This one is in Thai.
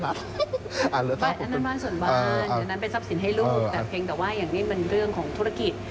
ผมเองก็อยากจะทำอะไรที่ข้างนอกบ้างธุรกิจบ้างอะไรอย่างนี้